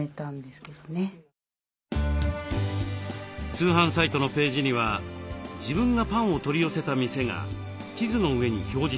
通販サイトのページには自分がパンを取り寄せた店が地図の上に表示されます。